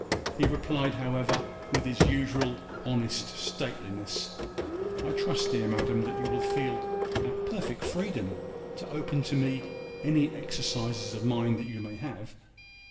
He replied, however, with his usual honest stateliness, 'I trust, dear madam, that you will feel at perfect freedom to open to me any exercises of mind that you may have.